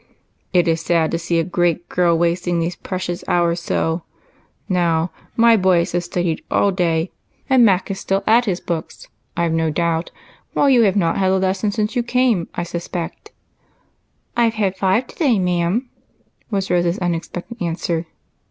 " It is sad to see a great girl wasting these precious hours so. Now, my boys have studied all day, and Mac is still at his books, I 've no doubt, while you have not had a lesson since you came, I suspect." " I have had five to day, ma'am," was Rose's very unexpected answer.